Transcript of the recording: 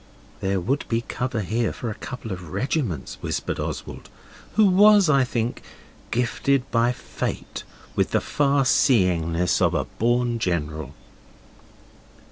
'There would be cover here for a couple of regiments,' whispered Oswald, who was, I think, gifted by Fate with the far seeingness of a born general.